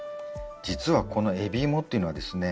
実はこの海老芋っていうのはですね